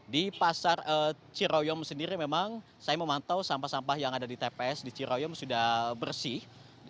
di pasar ciroyong sendiri memang saya memantau sampah sampah yang ada di tps di ciroyom sudah bersih